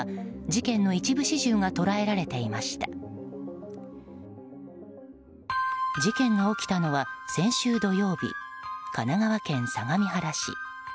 事件が起きたのは先週土曜日神奈川県相模原市。